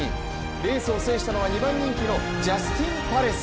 レースを制したのは２番人気のジャスティンパレス。